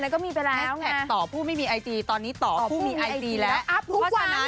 ก็มีไปแล้ว